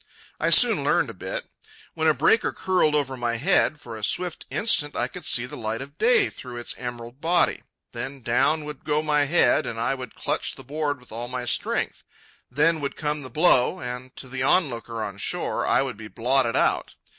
I soon learned a bit. When a breaker curled over my head, for a swift instant I could see the light of day through its emerald body; then down would go my head, and I would clutch the board with all my strength. Then would come the blow, and to the onlooker on shore I would be blotted out.